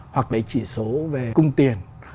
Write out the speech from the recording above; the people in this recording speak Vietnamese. hoặc cái chỉ số về cung tiền